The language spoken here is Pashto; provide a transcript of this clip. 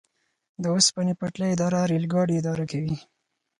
د اوسپنې پټلۍ اداره ریل ګاډي اداره کوي